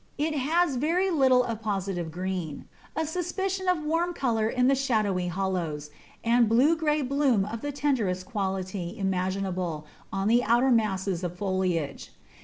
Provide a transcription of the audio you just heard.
It has very little of positive green; a suspicion of warm colour in the shadowy hollows, and a blue grey bloom of the tenderest quality imaginable on the outer masses of foliage.